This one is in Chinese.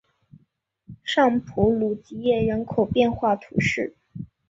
尚普鲁吉耶人口变化图示